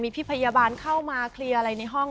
พี่พยาบาลเข้ามาเคลียร์อะไรในห้อง